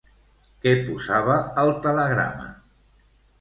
Què posava al telegrama?